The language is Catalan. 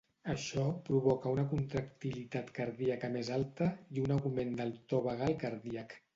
Això provoca una contractilitat cardíaca més alta i un augment del to vagal cardíac.